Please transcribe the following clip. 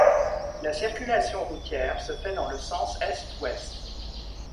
La circulation routière se fait dans le sens est-ouest.